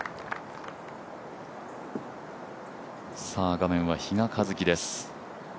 画面は比嘉一貴です。